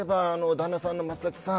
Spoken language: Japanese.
旦那さんの松崎さん